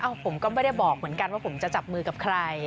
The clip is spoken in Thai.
ผมก็ไม่ได้บอกเหมือนกันว่าผมจะจับมือกับใคร